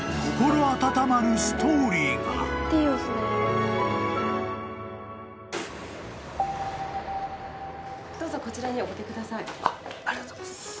ありがとうございます。